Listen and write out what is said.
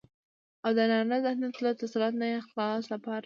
او دنارينه ذهنيت له تسلط نه يې د خلاصون لپاره